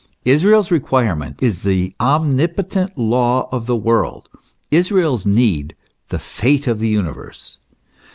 t Israel's require ment is the omnipotent law of the world, Israel's need the fate of the universe.